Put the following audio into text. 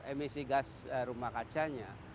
emisi gas rumah kacanya